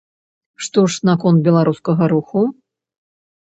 Што ж наконт беларускага руху?